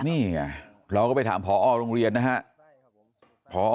นี่ไงเราก็ไปถามพอโรงเรียนนะครับ